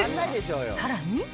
さらに。